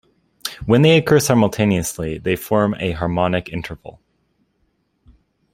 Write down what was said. When they occur simultaneously, they form a harmonic interval.